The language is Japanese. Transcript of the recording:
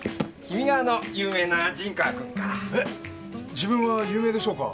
自分は有名でしょうか？